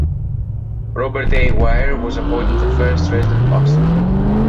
Robert A. Weir was appointed the first resident pastor.